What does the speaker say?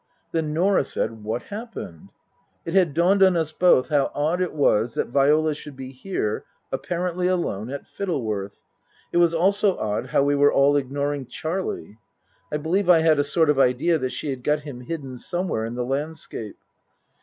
Then Norah said, " What happened ?" It had dawned on us both how odd it was that Viola should be here, apparently alone, at Fittleworth. It was also odd how we were all ignoring Charlie. I believe I had a sort of idea that she had got him hidden somewhere in the landscape.